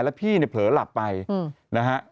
แล้วพี่เนี่ยเผลอหลับไปนะฮะ